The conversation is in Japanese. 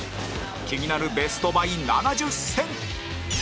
気になるベストバイ７０選